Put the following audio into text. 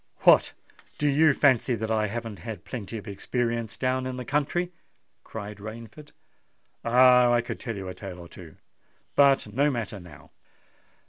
"What! do you fancy that I haven't had plenty of experience down in the country?" cried Rainford. "Ah! I could tell you a tale or two—but no matter now."